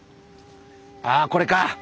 ああこれか！